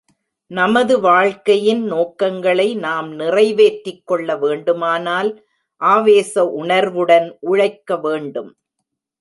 நமது வாழ்க்கையின் நோக்கங்களை நாம் நிறைவேற்றிக் கொள்ள வேண்டுமானால் ஆவேச உணர்வுடன் உழைக்க வேண்டும்.